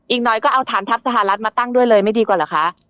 อีกหน่อยก็เอาฐานทัพสหรัฐมาตั้งด้วยเลยไม่ดีกว่าเหรอคะ